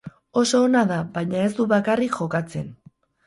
Oso ona da, baina ez du bakarrik jokatzen.